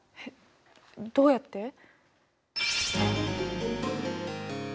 えっどうやって？